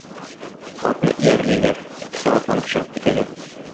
Атны иярлиләр, икесе атланып чыгып китәләр.